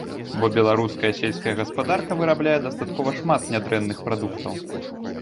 Бо беларуская сельская гаспадарка вырабляе дастаткова шмат нядрэнных прадуктаў.